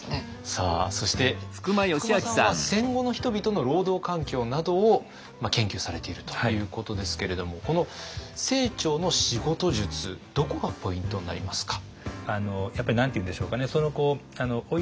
さあそして福間さんは戦後の人々の労働環境などを研究されているということですけれどもこの清張の仕事術どこがポイントになりますか？